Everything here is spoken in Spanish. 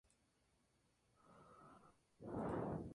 Tienen seis pares de hendiduras branquiales.